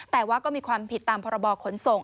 แต่ว่าก็มีความผิดตามพรบขนส่ง